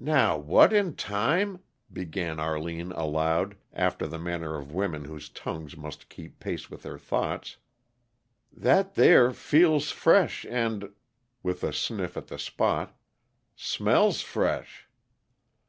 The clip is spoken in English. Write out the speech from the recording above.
"Now, what in time " began Arline aloud, after the manner of women whose tongues must keep pace with their thoughts. "That there feels fresh and" with a sniff at the spot "smells fresh."